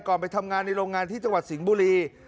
ไปทำงานในโรงงานที่จังหวัดสิงห์บุรี